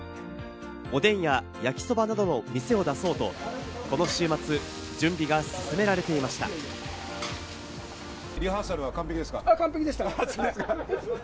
おでんや焼きそばなどの店を出そうと、この週末、準備が進められていました。よ！